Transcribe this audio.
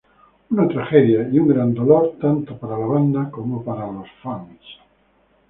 Una Tragedia y un gran dolor tanto para la banda como para los fans.